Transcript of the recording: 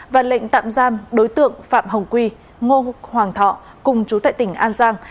và lệnh tạm giam đối tượng phạm hồng quy ngô hoàng thọ cùng chú tại tỉnh an giang